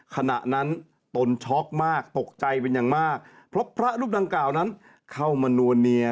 ขณะนั้นตนช็อกมากตกใจเป็นอย่างมากเพราะพระรูปดังกล่าวนั้นเข้ามานัวเนีย